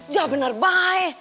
jawab benar baik